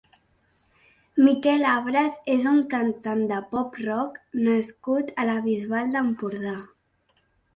Miquel Abras és un cantant de pop rock nascut a la Bisbal d'Empordà.